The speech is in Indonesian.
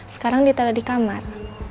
sekarang ditaruh di kamar